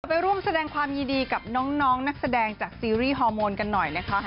ไปร่วมแสดงความยินดีกับน้องนักแสดงจากซีรีส์ฮอร์โมนกันหน่อยนะคะ